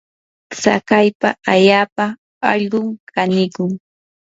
tsakaypa allaapa allqum kanikun.